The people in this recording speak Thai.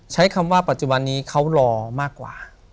ใช้คำว่าปัจจุบันนี้เขารอมากกว่า